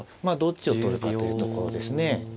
まあどっちを取るかというところですね。